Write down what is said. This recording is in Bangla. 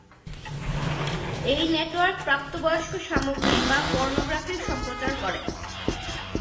এই নেটওয়ার্ক প্রাপ্তবয়স্ক সামগ্রী বা পর্নোগ্রাফি সম্প্রচার করে।